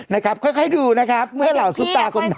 นะครับค่อยดูนะครับเมื่อเหล่าซุปตาคนไหน